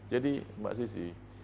jadi mbak sissy